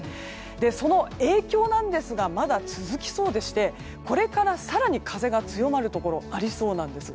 その影響なんですがまだ続きそうでしてこれから更に風が強まるところがありそうなんです。